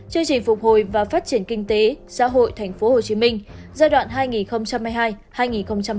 chương trình phục hồi và phát triển kinh tế xã hội tp hcm giai đoạn hai nghìn hai mươi hai hai nghìn ba mươi